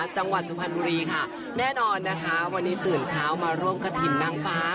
จังหวัดสุพรรณบุรีค่ะแน่นอนนะคะวันนี้ตื่นเช้ามาร่วมกระถิ่นนางฟ้า